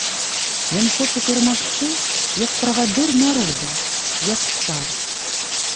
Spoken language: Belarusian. Ён хоча перамагчы, як правадыр народа, як цар.